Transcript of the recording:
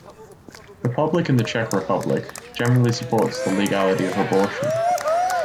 The public in the Czech Republic generally supports the legality of abortion.